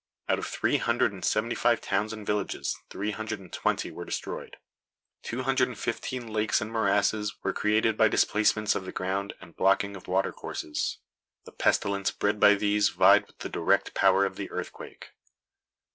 Out of three hundred and seventy five towns and villages, three hundred and twenty were destroyed. Two hundred and fifteen lakes and morasses were created by displacements of the ground and blocking of water courses. The pestilence bred by these vied with the direct power of the earthquake.